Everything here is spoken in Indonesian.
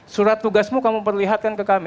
surat tugasmu kamu perlihatkan ke kami